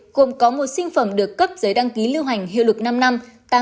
cùng có một sinh phẩm được cấp giới đăng ký lưu hành hiệu lực năm năm